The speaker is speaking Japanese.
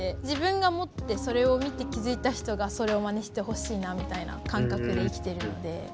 自分が持ってそれを見て気付いた人がそれをまねしてほしいなみたいな感覚で生きてるので。